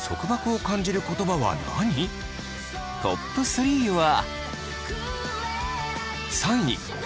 トップ３は。